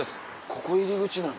ここ入り口なの？